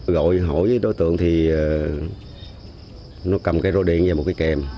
gọi hỏi đối tượng thì nó cầm cái rô điện và một cái kè